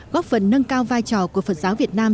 góp phần nâng cao vai trò của phật giáo việt nam